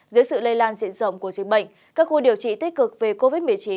giữa sự lây lan diễn rộng của diễn bệnh các khu điều trị tích cực về covid một mươi chín